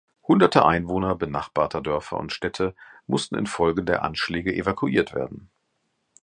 Hunderte Einwohner benachbarter Dörfer und Städte musste infolge der Anschläge evakuiert werden.